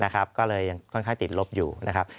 ก็เลยยังค่อนข้างติดลบอยู่นะครับ